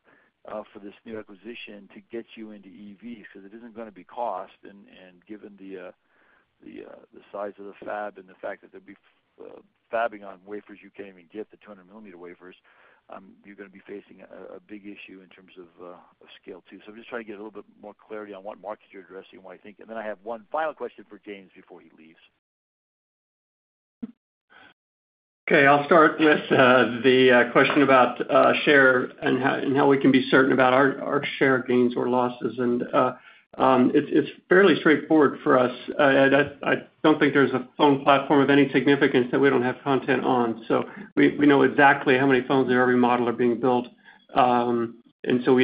for this new acquisition to get you into EVs? Because it isn't gonna be cost and given the size of the fab and the fact that there'd be fabbing on wafers, you can't even get the 200 millimeter wafers, you're gonna be facing a big issue in terms of of scale too. So I'm just trying to get a little bit more clarity on what markets you're addressing, why you think. Then I have one final question for James before he leaves. Okay. I'll start with the question about share and how we can be certain about our share gains or losses. It's fairly straightforward for us. I don't think there's a phone platform of any significance that we don't have content on. We know exactly how many phones in every model are being built. We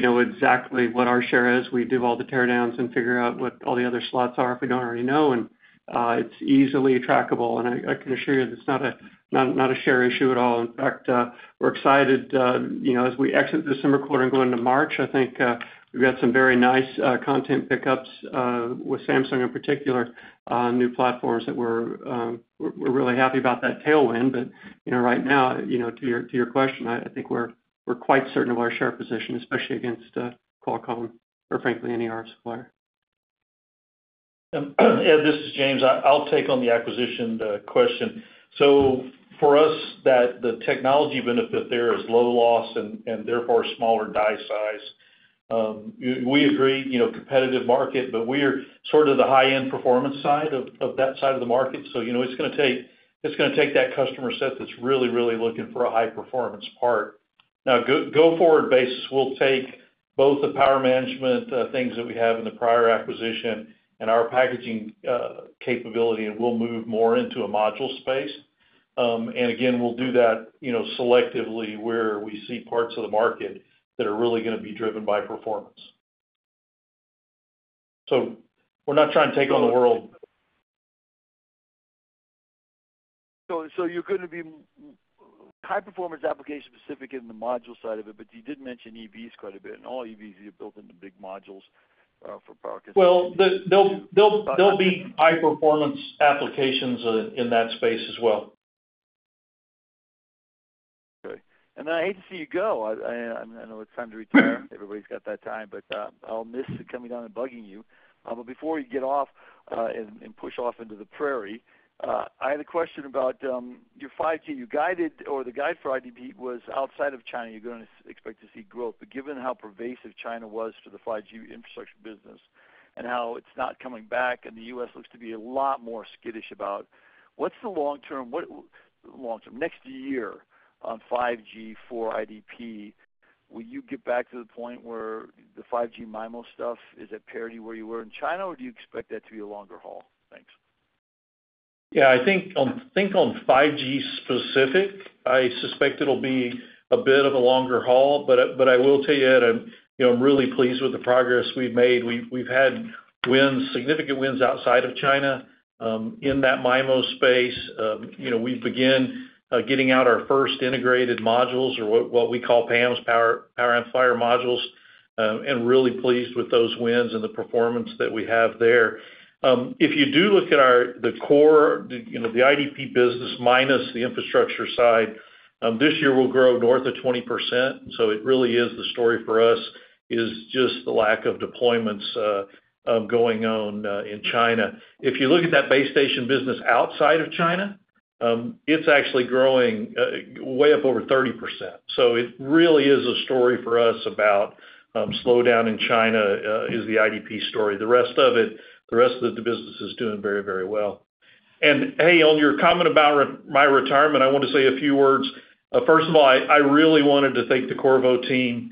know exactly what our share is. We do all the teardowns and figure out what all the other slots are if we don't already know. It's easily trackable, and I can assure you it's not a share issue at all. In fact, we're excited, you know, as we exit this summer quarter and go into March, I think we've got some very nice content pickups with Samsung in particular, new platforms that we're really happy about that tailwind. You know, right now, you know, to your question, I think we're quite certain of our share position, especially against Qualcomm or frankly any RF supplier. Ed, this is James. I'll take on the acquisition question. So for us the technology benefit there is low loss and therefore a smaller die size. We agree, you know, competitive market, but we are sort of the high-end performance side of that side of the market. You know, it's gonna take that customer set that's really looking for a high performance part. Now going forward basis, we'll take both the power management things that we have in the prior acquisition and our packaging capability, and we'll move more into a module space. Again, we'll do that, you know, selectively where we see parts of the market that are really gonna be driven by performance. We're not trying to take on the world. you're gonna be high performance application specific in the module side of it, but you did mention EVs quite a bit, and all EVs are built into big modules, for power- Well, they'll be high performance applications in that space as well. Okay. I hate to see you go. I know it's time to retire. Everybody's got that time. I'll miss coming on and bugging you. Before you get off and push off into the prairie, I had a question about your 5G. You guided or the guide for IDP was outside of China. You're gonna expect to see growth. Given how pervasive China was to the 5G infrastructure business and how it's not coming back, and the U.S. looks to be a lot more skittish about, what's the long term next year on 5G for IDP? Will you get back to the point where the 5G MIMO stuff is at parity where you were in China, or do you expect that to be a longer haul? Thanks. Yeah, I think on 5G specific, I suspect it'll be a bit of a longer haul. I will tell you, Ed, you know, I'm really pleased with the progress we've made. We've had wins, significant wins outside of China in that MIMO space. You know, we've begun getting out our first integrated modules or what we call PAMs, power amplifier modules, and really pleased with those wins and the performance that we have there. If you do look at our core, you know, the IDP business minus the infrastructure side, this year will grow north of 20%. It really is the story for us is just the lack of deployments going on in China. If you look at that base station business outside of China, it's actually growing way up over 30%. It really is a story for us about slowdown in China is the IDP story. The rest of it, the rest of the business is doing very, very well. Hey, on your comment about my retirement, I want to say a few words. First of all, I really wanted to thank the Qorvo team.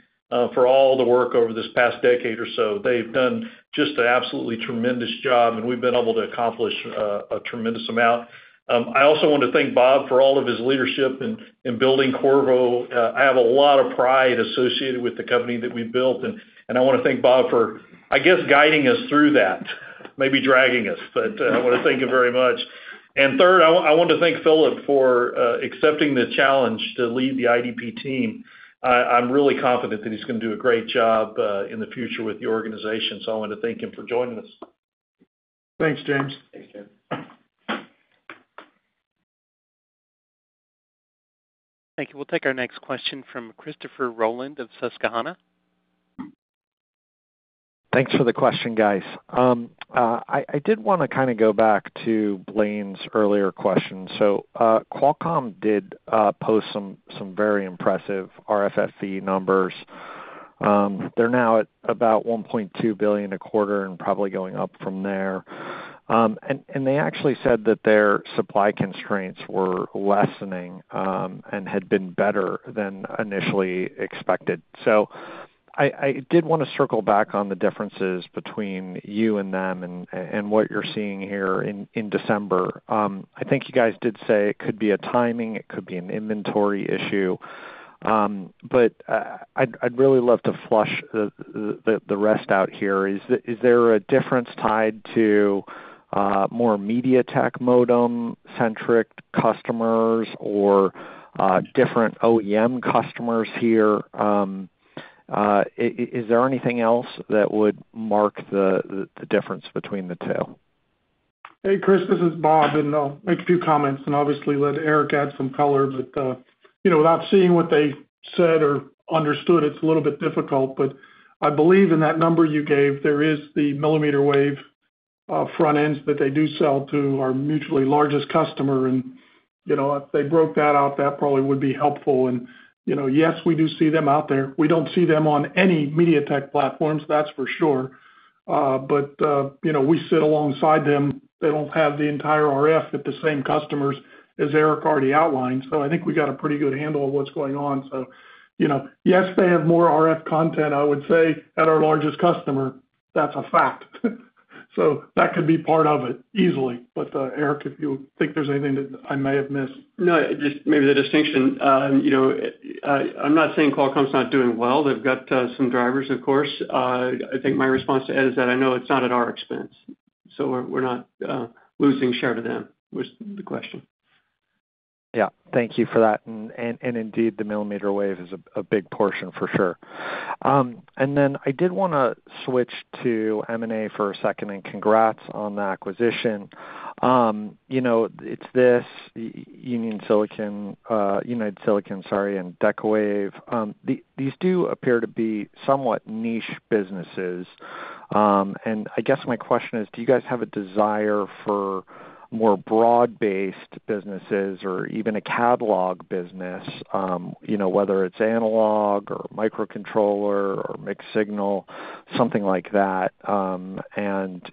For all the work over this past decade or so, they've done just an absolutely tremendous job, and we've been able to accomplish a tremendous amount. I also want to thank Bob for all of his leadership in building Qorvo. I have a lot of pride associated with the company that we've built, and I wanna thank Bob for, I guess, guiding us through that. Maybe dragging us, but I wanna thank you very much. Third, I want to thank Philip for accepting the challenge to lead the IDP team. I'm really confident that he's gonna do a great job in the future with the organization, so I want to thank him for joining us. Thanks, James. Thanks, James. Thank you. We'll take our next question from Christopher Rolland of Susquehanna. Thanks for the question, guys. I did want to go back to Blayne's earlier question. Qualcomm did post some very impressive RFFE numbers. They're now at about $1.2 billion a quarter and probably going up from there. They actually said that their supply constraints were lessening and had been better than initially expected. I did want to circle back on the differences between you and them and what you're seeing here in December. I think you guys did say it could be a timing, it could be an inventory issue. But I'd really love to flesh the rest out here. Is there a difference tied to more MediaTek modem-centric customers or different OEM customers here? Is there anything else that would mark the difference between the two? Hey, Chris. This is Bob, and I'll make a few comments and obviously let Eric add some color. You know, without seeing what they said or understood, it's a little bit difficult, but I believe in that number you gave, there is the millimeter wave front ends that they do sell to our mutually largest customer. You know, if they broke that out, that probably would be helpful. You know, yes, we do see them out there. We don't see them on any MediaTek platforms, that's for sure. You know, we sit alongside them. They don't have the entire RF at the same customers as Eric already outlined, so I think we got a pretty good handle on what's going on. You know, yes, they have more RF content, I would say, at our largest customer. That's a fact. That could be part of it easily. Eric, if you think there's anything that I may have missed. No, just maybe the distinction. You know, I'm not saying Qualcomm's not doing well. They've got some drivers, of course. I think my response to Ed is that I know it's not at our expense, so we're not losing share to them, was the question. Yeah. Thank you for that. Indeed, the millimeter wave is a big portion for sure. Then I did wanna switch to M&A for a second, and congrats on the acquisition. You know, it's this United Silicon Carbide and Decawave. These do appear to be somewhat niche businesses. I guess my question is, do you guys have a desire for more broad-based businesses or even a catalog business, you know, whether it's analog or microcontroller or mixed signal, something like that.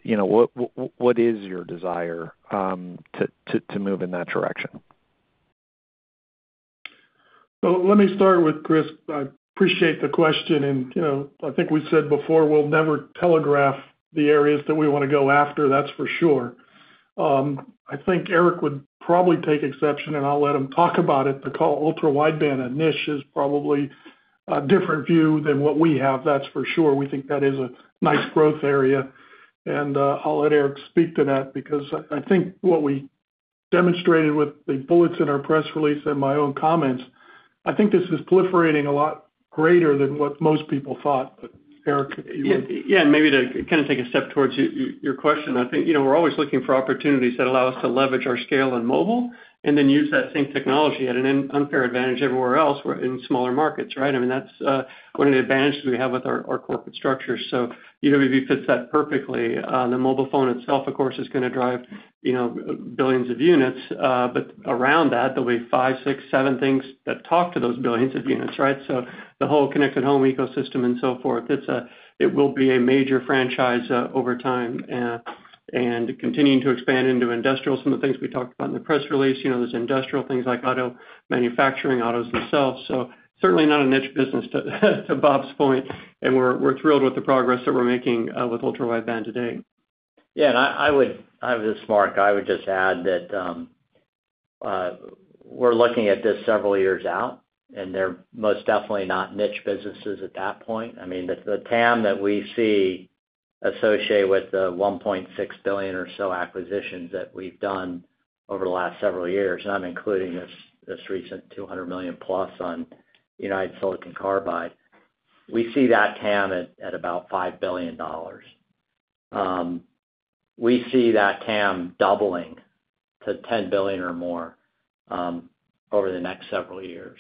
You know, what is your desire to move in that direction? Well, let me start with Chris. I appreciate the question, and, you know, I think we said before, we'll never telegraph the areas that we wanna go after, that's for sure. I think Eric would probably take exception, and I'll let him talk about it, but call ultra-wideband a niche is probably a different view than what we have, that's for sure. We think that is a nice growth area, and, I'll let Eric speak to that because I think what we demonstrated with the bullets in our press release and my own comments, I think this is proliferating a lot greater than what most people thought. Eric, if you would. Yeah. Yeah, maybe to kind of take a step towards your question, I think, you know, we're always looking for opportunities that allow us to leverage our scale in mobile and then use that same technology at an unfair advantage everywhere else where in smaller markets, right? I mean, that's one of the advantages we have with our corporate structure. UWB fits that perfectly. The mobile phone itself, of course, is gonna drive, you know, billions of units. But around that, there'll be 5, 6, 7 things that talk to those billions of units, right? The whole connected home ecosystem and so forth, it will be a major franchise over time. Continuing to expand into industrial, some of the things we talked about in the press release, you know, there's industrial things like auto manufacturing, autos themselves. Certainly not a niche business to Bob's point, and we're thrilled with the progress that we're making with ultra-wideband today. I would just add that we're looking at this several years out, and they're most definitely not niche businesses at that point. I mean, the TAM that we see associated with the $1.6 billion or so acquisitions that we've done over the last several years, and I'm including this recent $200 million+ on United Silicon Carbide. We see that TAM at about $5 billion. We see that TAM doubling to $10 billion or more over the next several years.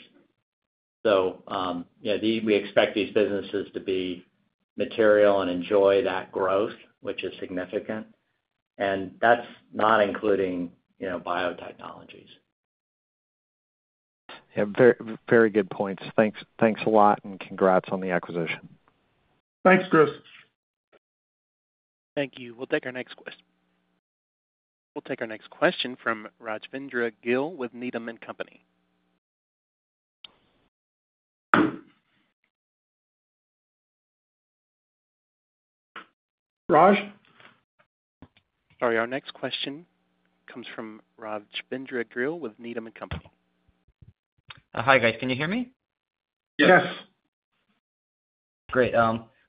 We expect these businesses to be material and enjoy that growth, which is significant. That's not including, you know, biotechnologies. Yeah, very good points. Thanks a lot and congrats on the acquisition. Thanks, Chris. Thank you. We'll take our next question from Rajvindra Gill with Needham & Company. Raj? Sorry. Our next question comes from Rajvindra Gill with Needham & Company. Hi, guys. Can you hear me? Yes. Great.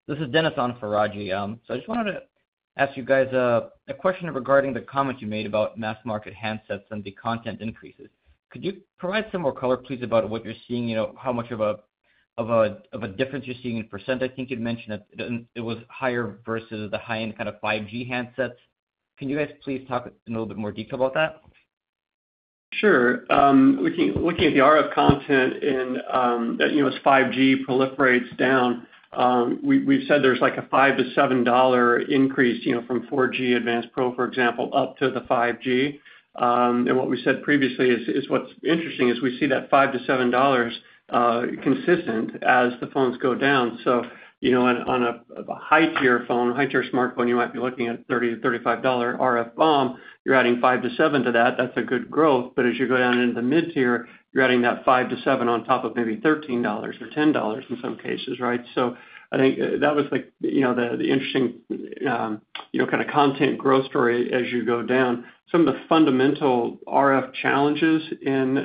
This is Dennis on for Raj. I just wanted to ask you guys a question regarding the comment you made about mass market handsets and the content increases. Could you provide some more color, please, about what you're seeing, you know, how much of a difference you're seeing in percent? I think you'd mentioned that it was higher versus the high-end kind of 5G handsets. Can you guys please talk in a little bit more detail about that? Sure. Looking at the RF content and, you know, as 5G proliferates down, we've said there's like a $5-$7 increase, you know, from 4G Advanced Pro, for example, up to the 5G. What we said previously is what's interesting is we see that $5-$7 consistent as the phones go down. You know, on a high-tier phone, high-tier smartphone, you might be looking at $30-$35 RF BOM. You're adding $5-$7 to that's a good growth. But as you go down into the mid-tier, you're adding that $5-$7 on top of maybe $13 or $10 in some cases, right? I think that was like, you know, the interesting kind of content growth story as you go down. Some of the fundamental RF challenges in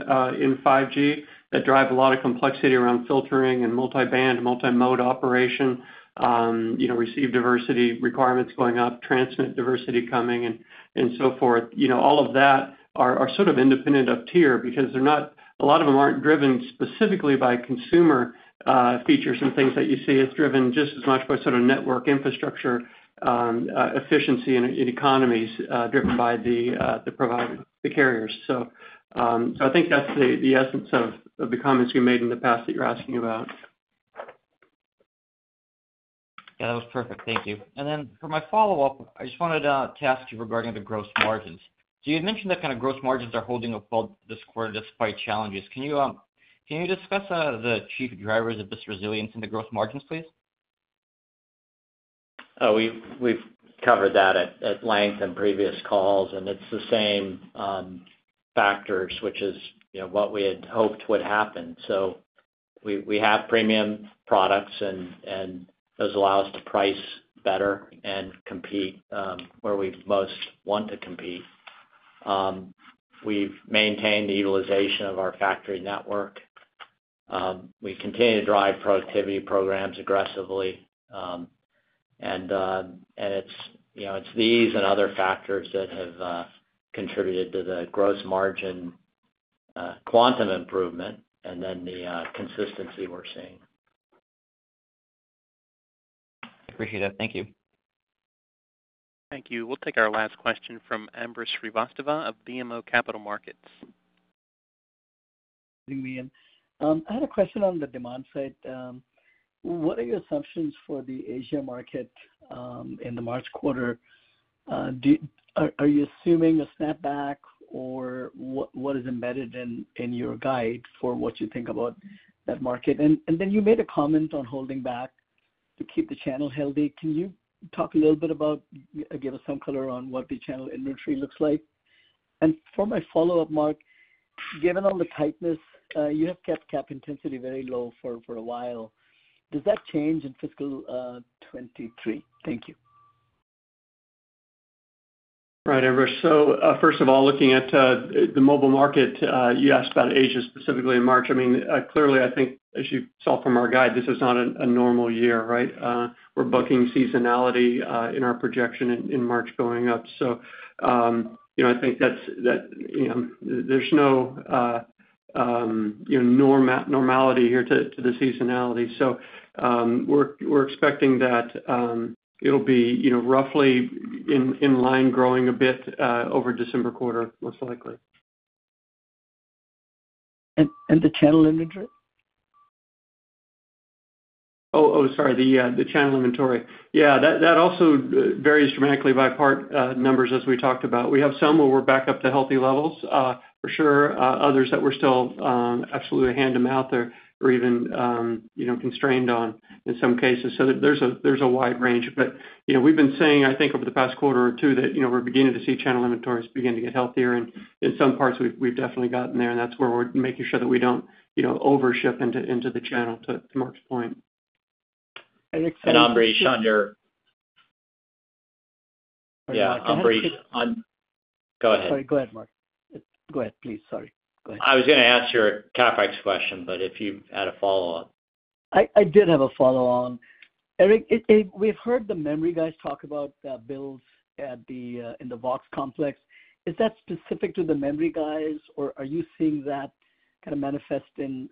5G that drive a lot of complexity around filtering and multi-band, multi-mode operation, you know, receive diversity requirements going up, transmit diversity coming and so forth. All of that are sort of independent of tier because a lot of them aren't driven specifically by consumer features and things that you see. It's driven just as much by sort of network infrastructure, efficiency and economies, driven by the provider, the carriers. I think that's the essence of the comments we made in the past that you're asking about. Yeah, that was perfect. Thank you. For my follow-up, I just wanted to ask you regarding the gross margins. You had mentioned that kind of gross margins are holding up well this quarter despite challenges. Can you discuss the chief drivers of this resilience in the gross margins, please? Oh, we've covered that at length in previous calls, and it's the same factors, which is, you know, what we had hoped would happen. We have premium products and those allow us to price better and compete where we most want to compete. We've maintained the utilization of our factory network. We've continued to drive productivity programs aggressively. It's, you know, it's these and other factors that have contributed to the gross margin quantum improvement and then the consistency we're seeing. Appreciate it. Thank you. Thank you. We'll take our last question from Ambrish Srivastava of BMO Capital Markets. Let me in. I had a question on the demand side. What are your assumptions for the Asia market in the March quarter? Are you assuming a snapback or what is embedded in your guide for what you think about that market? Then you made a comment on holding back to keep the channel healthy. Can you talk a little bit about, give us some color on what the channel inventory looks like? For my follow-up, Mark, given all the tightness, you have kept CapEx intensity very low for a while. Does that change in fiscal 2023? Thank you. Right. Ambrish. First of all, looking at the mobile market, you asked about Asia specifically in March. I mean, clearly, I think as you saw from our guide, this is not a normal year, right? We're booking seasonality in our projection in March going up. You know, I think that's that there's no you know, normality here to the seasonality. We're expecting that it'll be you know, roughly in line growing a bit over December quarter, most likely. the channel inventory? Channel inventory. Yeah, that also varies dramatically by part numbers as we talked about. We have some where we're back up to healthy levels, for sure, others that we're still absolutely hand-to-mouth or even, you know, constrained on in some cases. There's a wide range. You know, we've been saying, I think over the past quarter or two that, you know, we're beginning to see channel inventories begin to get healthier. In some parts we've definitely gotten there, and that's where we're making sure that we don't, you know, over ship into the channel to Mark's point. Next- Ambrish, on your- Sorry, Mark. Yeah, Ambrish, go ahead. Sorry. Go ahead, Mark. Go ahead, please. Sorry. Go ahead. I was gonna ask your CapEx question, but if you had a follow-on. I did have a follow-on. Eric, we've heard the memory guys talk about builds at the Vivo complex. Is that specific to the memory guys, or are you seeing that kind of manifest in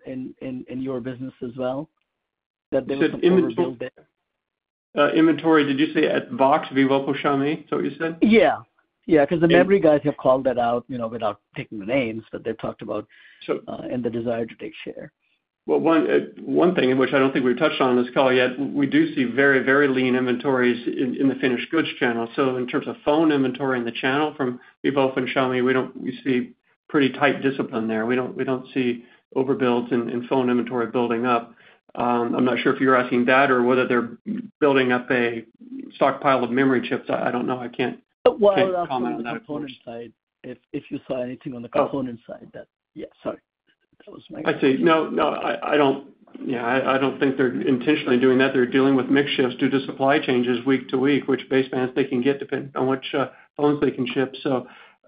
your business as well, that there was some overbuild there? You said inventory? Did you say at Vivo, Vivo, Xiaomi, is that what you said? Yeah. Yeah, 'cause the memory guys have called that out, you know, without picking the names, but they've talked about and the desire to take share. Well, one thing in which I don't think we've touched on this call yet, we do see very, very lean inventories in the finished goods channel. In terms of phone inventory in the channel from vivo and Xiaomi, we see pretty tight discipline there. We don't see overbuilds in phone inventory building up. I'm not sure if you're asking that or whether they're building up a stockpile of memory chips. I don't know. I can't comment on that. Well, on the component side, if you saw anything on the component side that. Yeah, sorry. That was my- I see. No, I don't think they're intentionally doing that. They're dealing with mix shifts due to supply changes week to week, which basebands they can get depend on which phones they can ship.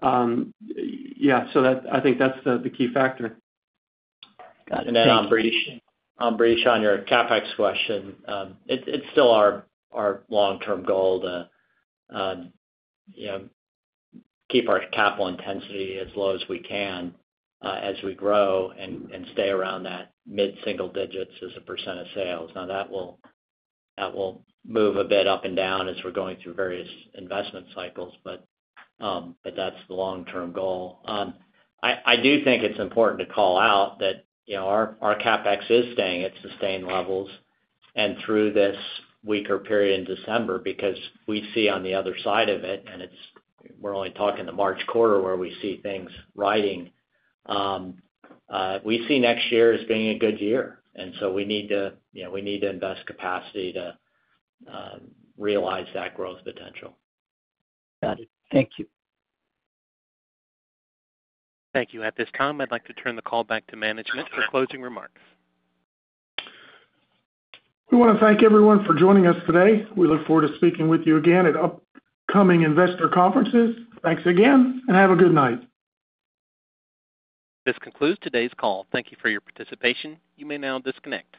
Yeah, I think that's the key factor. Got it. Thank you. Ambrish, on your CapEx question, it's still our long-term goal to, you know, keep our capital intensity as low as we can, as we grow and stay around that mid-single digits% of sales. Now, that will move a bit up and down as we're going through various investment cycles. That's the long-term goal. I do think it's important to call out that, you know, our CapEx is staying at sustained levels through this weaker period in December because we see on the other side of it, we're only talking the March quarter where we see things rising. We see next year as being a good year, so we need to invest capacity to realize that growth potential. Got it. Thank you. Thank you. At this time, I'd like to turn the call back to management for closing remarks. We wanna thank everyone for joining us today. We look forward to speaking with you again at upcoming investor conferences. Thanks again, and have a good night. This concludes today's call. Thank you for your participation. You may now disconnect.